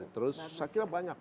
terus saya kira banyak